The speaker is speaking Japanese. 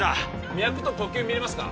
脈と呼吸みれますか？